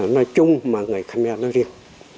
nói chung mà người khmer nói riêng